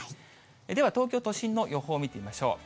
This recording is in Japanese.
では東京都心の予報を見てみましょう。